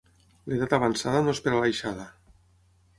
L'edat avançada no és per a l'aixada.